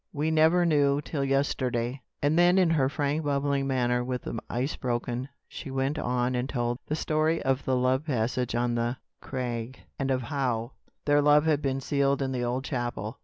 We never knew till yesterday." And then, in her frank bubbling manner, with the ice thus broken, she went on and told the story of the love passage on the crag; and of how their love had been sealed in the old chapel.